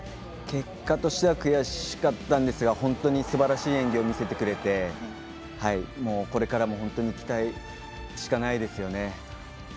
結果としては悔しかったんですが本当にすばらしい演技を見せてくれてこれからも本当に期待しかないですよね。